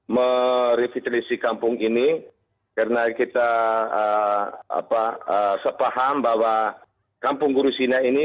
merevitalisasi kampung ini karena kita sepaham bahwa kampung gurusina ini